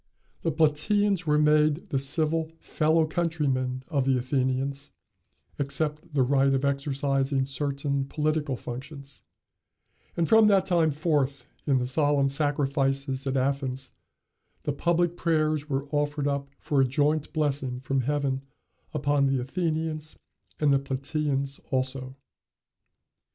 The Platæans were made the civil fellow countrymen of the Athenians, except the right of exercising certain political functions; and from that time forth in the solemn sacrifices at Athens, the public prayers were offered up for a joint blessing from Heaven upon the Athenians, and the Platæans also.